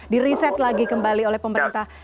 diriset lagi kembali oleh pemerintah